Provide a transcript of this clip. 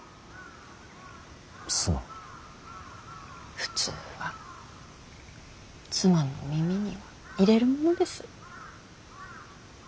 普通は妻の耳には入れるものです。